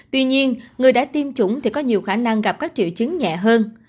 tuy nhiên người đã tiêm chủng thì có nhiều khả năng gặp các triệu chứng nhẹ hơn